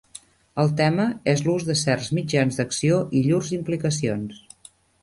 El tema és l'ús de certs mitjans d'acció i llurs implicacions.